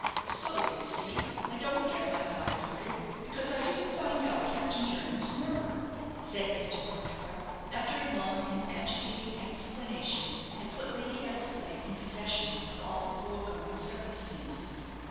"So, you see, I don't get my five hundred, because I didn't find out Captain Jernam's murderer," said Mr. Larkspur, after a long and agitating explanation had put Lady Eversleigh in possession of all the foregoing circumstances.